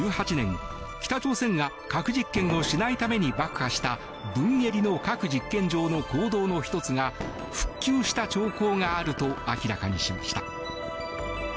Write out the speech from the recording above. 北朝鮮が核実験をしないために爆破したプンゲリの核実験場の坑道の１つが復旧の兆候があると明らかにしました。